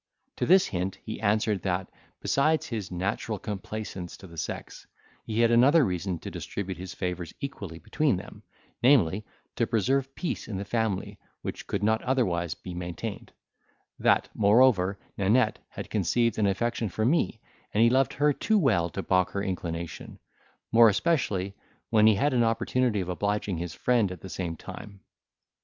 To this hint he answered that, besides his natural complaisance to the sex, he had another reason to distribute his favours equally between them, namely, to preserve peace in the family, which could not otherwise be maintained; that, moreover, Nanette had conceived an affection for me, and he loved her too well to balk her inclination; more especially, when he had an opportunity of obliging his friend at the same time.